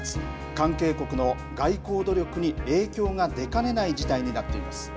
関係国の外交努力に影響が出かねない事態になっています。